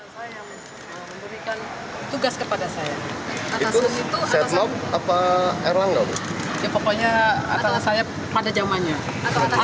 saya sebagai petugas partai untuk mengawal